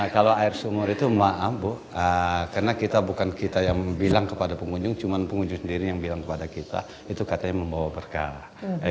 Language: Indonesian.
kalau air sumur itu maaf bu karena kita bukan kita yang bilang kepada pengunjung cuman pengunjung sendiri yang bilang kepada kita itu katanya membawa berkah